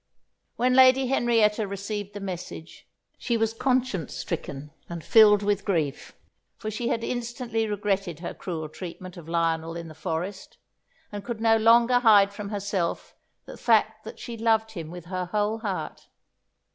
When Lady Henrietta received the message, she was conscience stricken and filled with grief, for she had instantly regretted her cruel treatment of Lionel in the forest, and could no longer hide from herself the fact that she loved him with her whole heart.